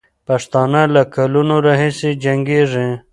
پښتانه له کلونو راهیسې جنګېږي.